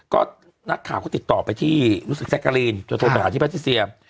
ก็นัดข่าวเขาติดต่อไปที่รุศกแซกการีนจนถึงหาวิทยาลัยภาษีเซีย